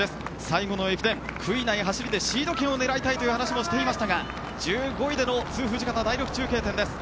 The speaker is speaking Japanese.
最後の駅伝悔いない走りでシード圏内を狙いたいという話をしていましたが１５位での津・藤方第６中継点です。